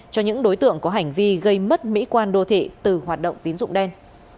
cho những đối tượng có hành vi gây mất mỹ quan đô thị từ hoạt động tín dụng đen